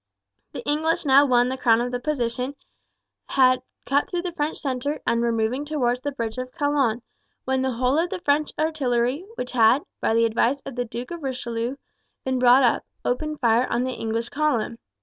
The English now won the crown of the position, had cut through the French centre, and were moving forward towards the bridge of Calonne, when the whole of the French artillery, which had, by the advice of the Duke of Richelieu, been brought up, opened fire on the English column.